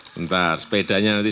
sebentar sepedanya nanti